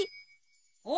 お！